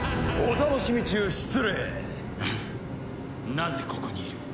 なぜここにいる？